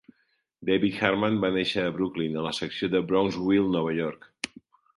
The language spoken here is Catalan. David Hartman va néixer a Brooklyn, a la secció de Brownsville, Nova York.